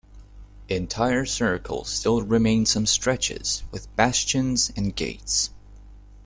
Entire circle still remain some stretches, with bastions and gates.